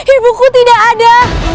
ibuku tidak ada